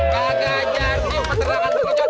kagak jadi peternakan terkejut